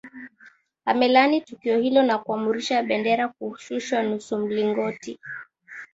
amelaani tukio hilo na kuamurisha bendera kushushwa nusu mlingoti